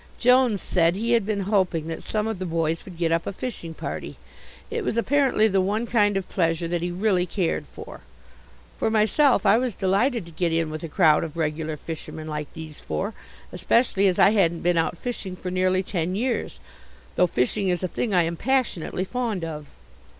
Jones said he had been hoping that some of the boys would get up a fishing party. It was apparently the one kind of pleasure that he really cared for. For myself I was delighted to get in with a crowd of regular fishermen like these four, especially as I hadn't been out fishing for nearly ten years, though fishing is a thing I am passionately fond of.